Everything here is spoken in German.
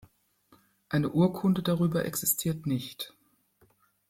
Eine Urkunde darüber existiert nicht.